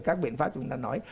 các biện pháp chúng ta nói